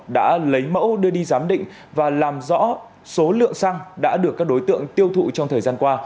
đã lấy mẫu đưa đi giám định và làm rõ số lượng xăng đã được các đối tượng tiêu thụ trong thời gian qua